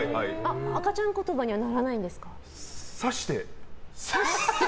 赤ちゃん言葉にはならないんですか？